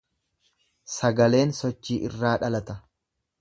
Sagaleen sochii irraa dhalata.